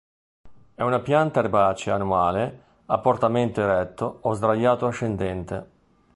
È una pianta erbacea annuale a portamento eretto o sdraiato-ascendente.